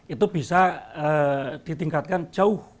itu bisa ditingkatkan jauh